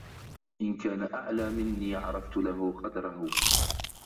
إنْ كَانَ أَعْلَى مِنِّي عَرَفْت لَهُ قَدْرَهُ